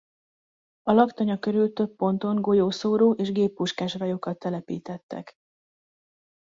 A laktanya körül több ponton golyószóró és géppuskás rajokat telepítettek.